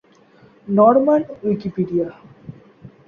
Norman Wikipedia